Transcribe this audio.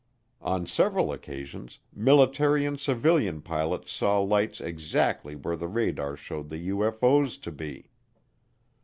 On several occasions military and civilian pilots saw lights exactly where the radar showed the UFO's to be.